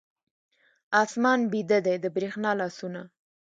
آسمان بیده دی، د بریښنا لاسونه